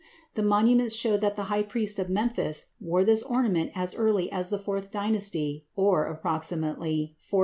The monuments show that the high priest of Memphis wore this ornament as early as the fourth Dynasty, or, approximately, 4000 B.